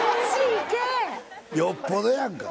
よっぽどやんか。